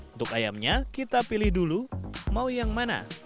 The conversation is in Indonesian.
untuk ayamnya kita pilih dulu mau yang mana